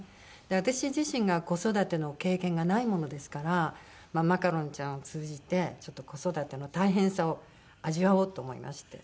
私自身が子育ての経験がないものですからマカロンちゃんを通じてちょっと子育ての大変さを味わおうと思いまして。